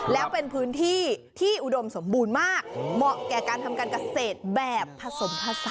แล้วเป็นพื้นที่ที่อุดมสมบูรณ์มากเหมาะแก่การทำการเกษตรแบบผสมผสา